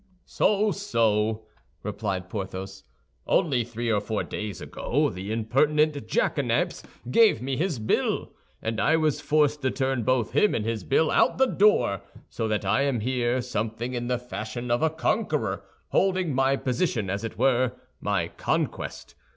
"So, so," replied Porthos. "Only three or four days ago the impertinent jackanapes gave me his bill, and I was forced to turn both him and his bill out of the door; so that I am here something in the fashion of a conqueror, holding my position, as it were, my conquest.